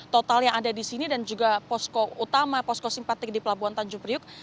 total yang ada di sini dan juga posko utama posko simpatik di pelabuhan tanjung priuk